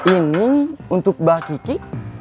ini untuk mbak kiki